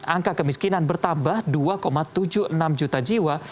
angka kemiskinan bertambah dua tujuh puluh enam juta jiwa